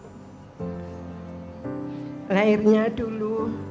ibu yang telah melahirkan dan tirah keindungan